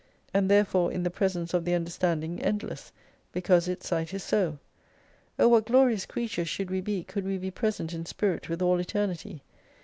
And therefore in the presence of the under standing endless, because its Sight is so. O what glorious creatures should we be could we be present in spirit with all Eternity